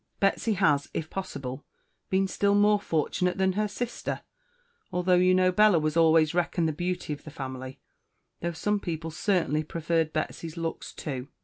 "Betsy has, if Possible, been still More fortunate than her Sister, although you know Bella was always reckoned the Beauty of the Family, though some people certainly preferred Betsy's Looks too.